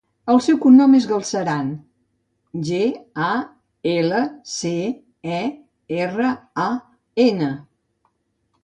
El seu cognom és Galceran: ge, a, ela, ce, e, erra, a, ena.